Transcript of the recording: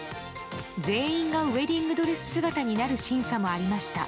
全員がウェディングドレス姿になる審査もありました。